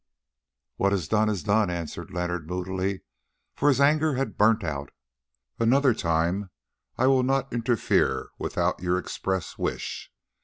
"What is done, is done," answered Leonard moodily, for his anger had burnt out. "Another time I will not interfere without your express wish.